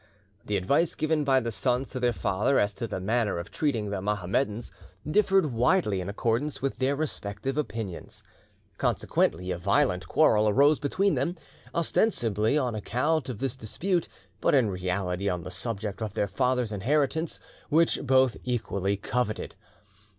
The advice given by the sons to their father as to the manner of treating the Mohammedans differed widely in accordance with their respective opinions. Consequently a violent quarrel arose between them, ostensibly on account of this dispute, but in reality on the subject of their father's inheritance, which both equally coveted.